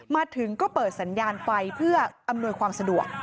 มาถึงก็เปิดสัญญาณไฟเพื่ออำนวยความสะดวก